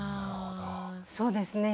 そうですね